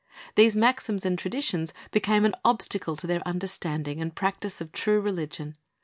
These maxims and traditions became an obstacle to their understanding and practise of true religion.